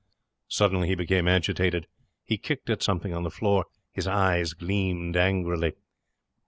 Suddenly he became agitated. He kicked at something on the floor. His eyes gleamed angrily.